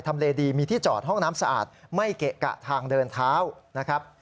เลดีมีที่จอดห้องน้ำสะอาดไม่เกะกะทางเดินเท้านะครับ